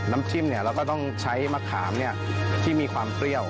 น้ำจิ้มเราก็ต้องใช้มะขามที่มีความเปรี้ยว